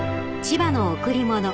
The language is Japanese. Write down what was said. ［『千葉の贈り物』］